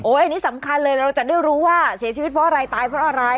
อันนี้สำคัญเลยเราจะได้รู้ว่าเสียชีวิตเพราะอะไรตายเพราะอะไร